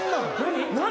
何？